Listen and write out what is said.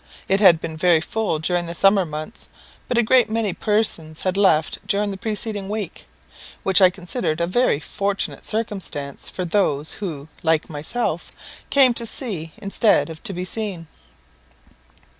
It had been very full during the summer months, but a great many persons had left during the preceding week, which I considered a very fortunate circumstance for those who, like myself, came to see instead of to be seen.